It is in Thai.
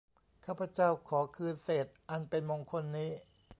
ข้าพเจ้าขอคืนเศษอันเป็นมงคลนี้